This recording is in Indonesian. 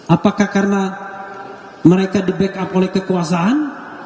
apakah karena mereka di backup oleh kekuasaan